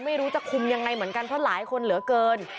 ไม่รู้จะคุมยังไงเหมือนกันเพราะหลายคนเหลือเกิน